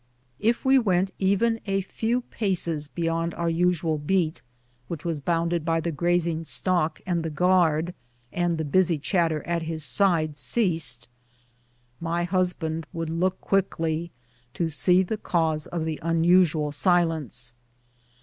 If we went even a few paces beyond our usual beat, which was bounded by the grazing stock and the guard, and the busy chatter at his side ceased, my husband would look quickly to see the cause of the un usual silence.